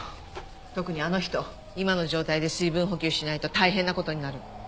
特にあの人今の状態で水分補給しないと大変な事になる。